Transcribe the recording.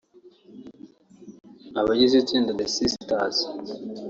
Abagize itsinda The Sisters